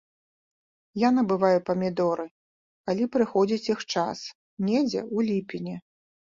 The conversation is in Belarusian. Я набываю памідоры, калі прыходзіць іх час, недзе ў ліпені.